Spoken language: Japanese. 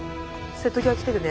瀬戸際来てるね。